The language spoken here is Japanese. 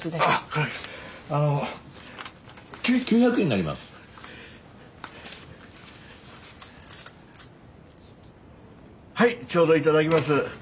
はいちょうど頂きます。